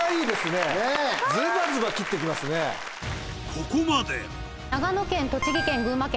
ここまで早！